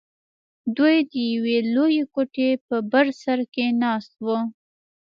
دوى د يوې لويې کوټې په بر سر کښې ناست وو.